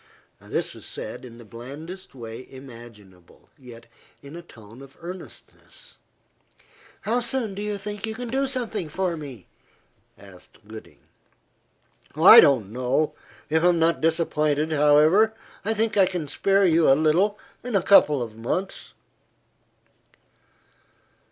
This was said in the blandest way imaginable, yet in a tone of earnestness. "How soon do you think you can do something for me?" asked Gooding. "I don't know. If not disappointed, however, I think I can spare you a little in a couple of months."